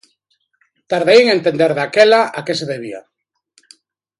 Tardei en entender, daquela, a que se debía.